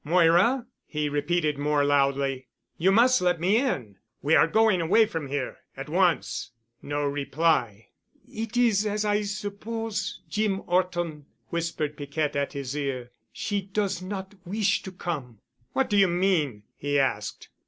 "Moira," he repeated more loudly. "You must let me in. We are going away from here—at once." No reply. "It is as I suppose', Jeem 'Orton," whispered Piquette at his ear. "She does not wish to come." "What do you mean?" he asked.